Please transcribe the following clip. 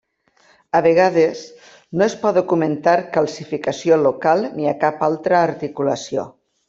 A vegades, no es pot documentar calcificació local ni a cap altra articulació.